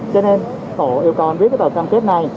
cho nên tổ yêu cầu anh viết cái tờ cam kết này